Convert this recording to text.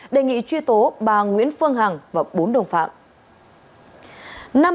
đề nghị truy tố bà nguyễn phương hằng và bốn đồng phạm